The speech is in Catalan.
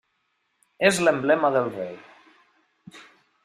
És l'emblema del rei.